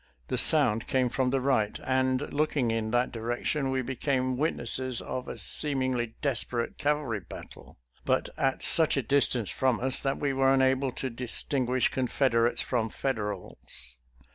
The sound came from the right, and, looking in that direction, we became witnesses of a seemingly desperate cavalry battle, but at such a distance from us that we were unable to dis tinguish Confederates from Federals.